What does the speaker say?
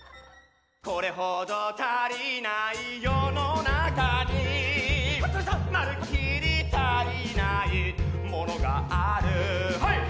これほど足りない世の中にまるっきり足りないものがある